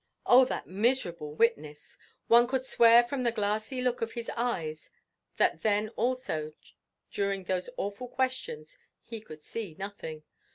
Oh that miserable witness! One could swear from the glassy look of his eyes that then also, during those awful questions, he could see nothing.